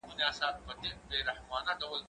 زه پرون د کتابتون لپاره کار وکړل.